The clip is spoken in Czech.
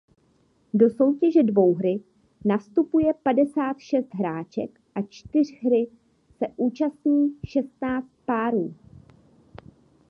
Do soutěže dvouhry nastupuje padesát šest hráček a čtyřhry se účastní šestnáct párů.